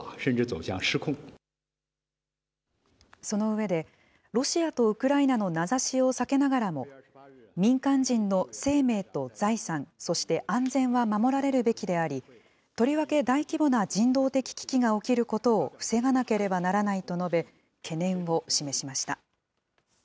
その上で、ロシアとウクライナの名指しを避けながらも、民間人の生命と財産、そして安全は守られるべきであり、とりわけ大規模な人道的危機が起きることを防がなければならないと述べ、懸念を示しました。